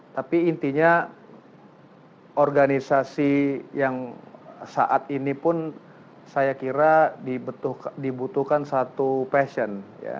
tapi intinya organisasi yang saat ini pun saya kira dibutuhkan satu passion